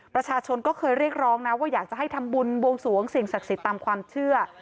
ประชาชนก็เคยเรียกร้องนะว่าอยากจะให้ทำบุญบวงสวงสิ่งศักดิ์สิทธิ์ตามความเชื่อ